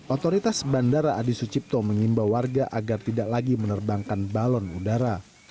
otoritas bandara adi sucipto mengimbau warga agar tidak lagi menerbangkan balon udara